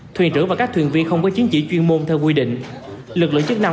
thuyền trưởng và các thuyền viên không có chứng chỉ chuyên môn theo quy định lực lượng chức năng